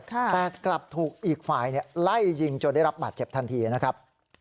แต่กลับถูกอีกฝ่ายไล่ยิงจนได้รับบาดเจ็บทันทีนะครับ